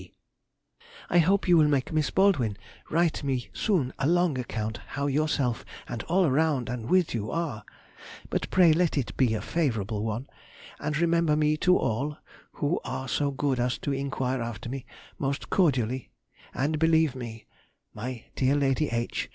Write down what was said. G. I hope you will make Miss Baldwin write me soon a long account how yourself and all around and with you are, but pray let it be a favourable one, and remember me to all (who are so good as to inquire after me) most cordially, and believe me, My dear Lady H.